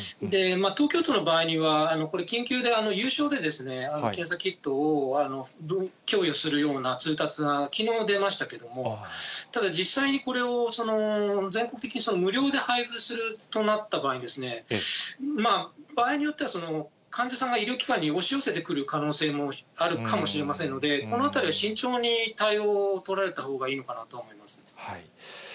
東京都の場合には、緊急で有償で、検査キットを供与するような通達が、きのう出ましたけれども、ただ実際にこれを全国的に無料で配付するとなった場合に、場合によっては、患者さんが医療機関に押し寄せてくる可能性もあるかもしれませんので、このあたりは慎重に対応を取られたほうがいいのかなとは思います。